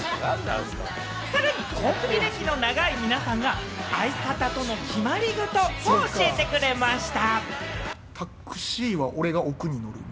さらにコンビ歴の長い皆さんが相方との決まり事を教えてくれました。